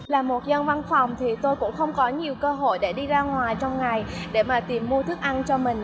là một dân văn phòng thì tôi cũng không có nhiều cơ hội để đi ra ngoài trong ngày để mà tìm mua thức ăn cho mình